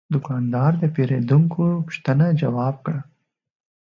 دوکاندار د پیرودونکي پوښتنه ځواب کړه.